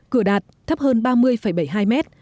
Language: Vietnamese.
cửa đạt thấp hơn ba mươi bảy mươi hai mét